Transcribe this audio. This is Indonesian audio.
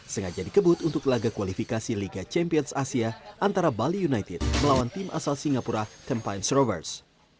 sengaja dikebut untuk laga kualifikasi liga champions asia antara bali united melawan tim asal singapura kempine strovers